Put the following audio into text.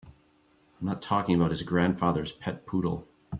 I'm not talking about his grandfather's pet poodle.